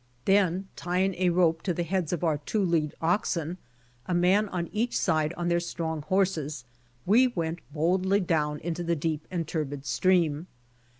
Then tying a rope to the heads of our two lead oxen, a man ^ on each side on their strong horses, we went boldly down into the deep and turbid stream.